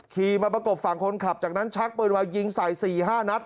คีย์มาประกบฝั่งคนขับจากนั้นชักเปิดวาลยิงสาย๔๕ทัช